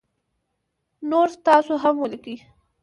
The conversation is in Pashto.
نور تاسو هم ولیکی